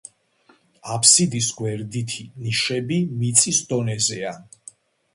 აბსიდის გვერდითი ნიშები მიწის დონეზეა.